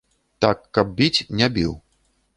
Так каб біць, не біў.